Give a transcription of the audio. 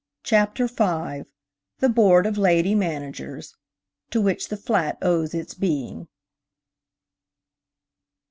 CHAPTER V. THE BOARD OF LADY MANAGERS. (To which the flat owes its being.)